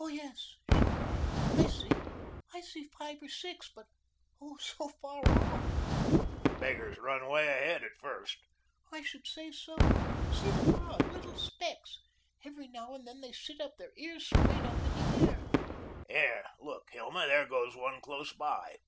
"Oh, yes," she cried, "I see. I can see five or six, but oh, so far off." "The beggars run 'way ahead, at first." "I should say so. See them run, little specks. Every now and then they sit up, their ears straight up, in the air." "Here, look, Hilma, there goes one close by."